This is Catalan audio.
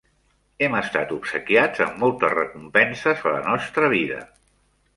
Hem estat obsequiats amb moltes recompenses a la nostra vida.